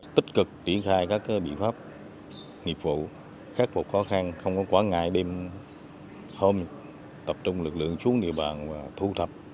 tích cực tỉ khai các bị pháp nghiệp vụ khắc phục khó khăn không có quá ngại đêm hôm tập trung lực lượng xuống địa bàn và thu thập